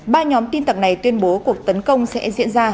ba nhóm tin tặc này tuyên bố cuộc tấn công sẽ diễn ra